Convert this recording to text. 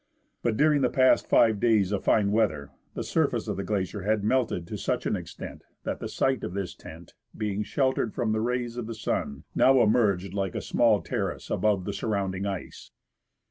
But during the past five days of fine weather, the surface of the glacier had melted to such an extent that the site of this tent, being sheltered from the rays of the sun, now emerged like a small terrace above the surrounding ice.